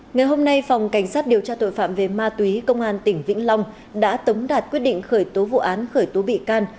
ngày hôm nay phòng cảnh sát điều tra tội phạm về ma túy công an tỉnh vĩnh long đã tống đạt quyết định khởi tố vụ án khởi tố bị can